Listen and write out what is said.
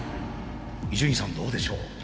伊集院さんどうでしょう？